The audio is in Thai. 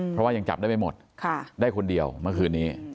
เพราะว่ายังจับได้ไม่หมดได้คนเดียวเมื่อคืนนี้